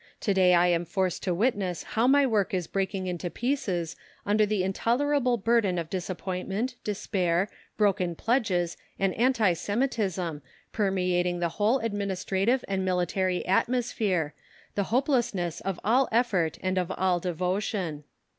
To day I am forced to witness how my work is breaking into pieces under the intolerable burden of disappointment, despair, broken pledges, and anti Semitism, permeating the whole administrative and military atmosphere, the hopelessness of all effort and of all devotion.